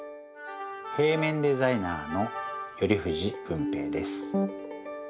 平面デザイナーの寄藤文平です。